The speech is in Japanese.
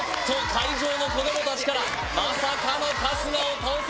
会場の子ども達からまさかの「春日を倒せ」